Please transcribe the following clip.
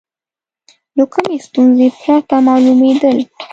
له کومې ستونزې پرته معلومېدل.